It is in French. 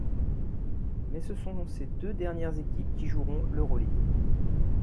Mais ce sont ces deux dernières équipes qui joueront l'Euroligue.